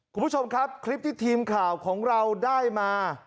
คุณผู้ชมครับคลิปที่ทีมข่าวของเราได้มา